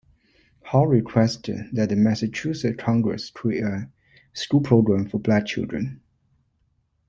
Hall requested that the Massachusetts Congress create a school program for black children.